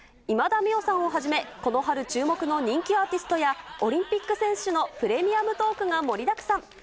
今田美桜さんをはじめ、この春注目の人気アーティストや、オリンピック選手のプレミアムトークが盛りだくさん。